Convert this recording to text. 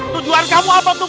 tujuan kamu apa tuh